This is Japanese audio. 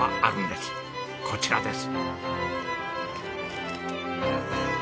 こちらです。